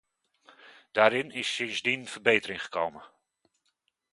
Daarin is sindsdien verbetering gekomen.